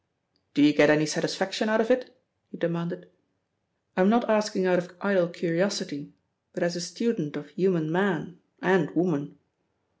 "Do you get any satisfaction out of it?" he demanded. "I'm not asking out of idle curiosity, but as a student of human man and woman."